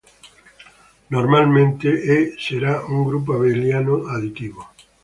Normalm"e"nte, E será un grupo abeliano aditivo.